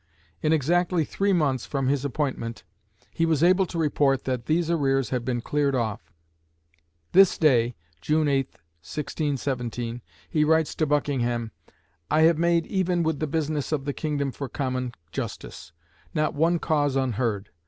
In exactly three months from his appointment he was able to report that these arrears had been cleared off. "This day" (June 8, 1617), he writes to Buckingham, "I have made even with the business of the kingdom for common justice. Not one cause unheard.